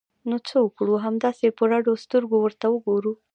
نو څه وکړو؟ همداسې په رډو سترګو ورته وګورو!